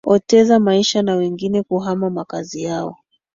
oteza maisha na wengine kuhama makazi yao